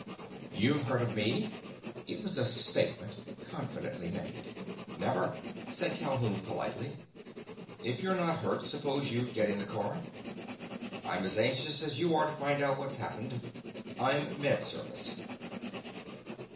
"You've heard of me." It was a statement, confidently made. "Never," said Calhoun politely. "If you're not hurt, suppose you get in the car? I'm as anxious as you are to find out what's happened. I'm Med Service."